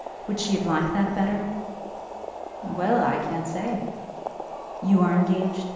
Would she have liked that better?" "Well; I can't say." "You are engaged?